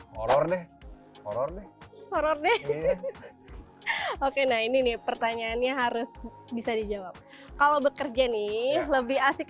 horror deh horror deh horror deh oke nah ini nih pertanyaannya harus bisa dijawab kalau bekerja nih lebih asik